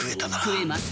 食えます。